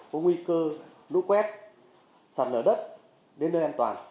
có nguy cơ lũ quét sạt lở đất đến nơi an toàn